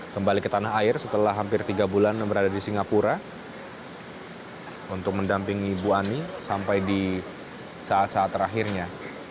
kembali ke tanah air setelah hampir tiga bulan berada di singapura untuk mendampingi ibu ani sampai di saat saat terakhirnya